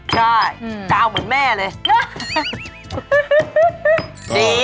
ใช่กาวเหมือนแม่เลย